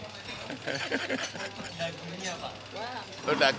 jadi kita bisa makan makanan makanan yang lebih baik